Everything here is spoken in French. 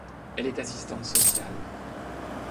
Elle est assistante sociale.